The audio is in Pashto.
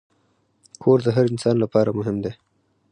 کور د هر انسان لپاره مهم دی.